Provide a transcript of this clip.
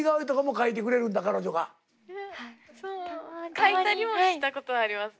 描いたりもしたことありますね。